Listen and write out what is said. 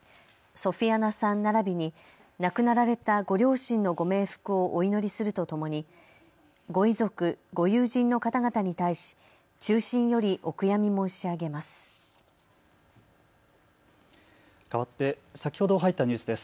ソフィアナさんならびに亡くなられたご両親のご冥福をお祈りするとともにご遺族・ご友人の方々に対し衷心よりお悔やみ申し上げます。